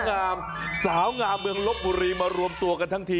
งามสาวงามเมืองลบบุรีมารวมตัวกันทั้งที